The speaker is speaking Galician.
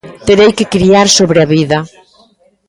Terei que criar sobre a vida.